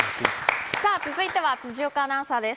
続いては辻岡アナウンサーです。